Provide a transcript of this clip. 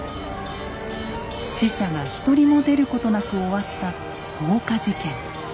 死者が一人も出ることなく終わった放火事件。